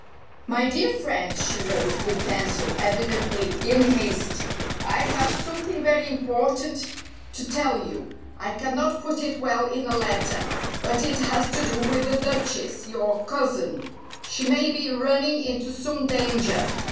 "My dear friend," she wrote with pencil, evidently in haste, "I have something very important to tell you. I cannot put it well in a letter. But it has to do with the Duchess, your cousin. She may be running into some danger.